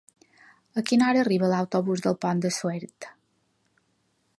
A quina hora arriba l'autobús del Pont de Suert?